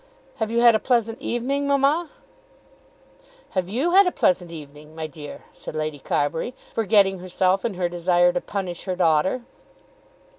"Have you had a pleasant evening, mamma?" "Have you had a pleasant evening, my dear?" said Lady Carbury, forgetting herself in her desire to punish her daughter.